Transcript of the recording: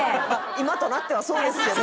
今となってはそうですけど。